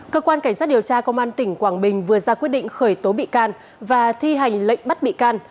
cơ quan cảnh sát điều tra công an tỉnh quảng bình vừa ra quyết định khởi tố bị can và thi hành lệnh bắt bị can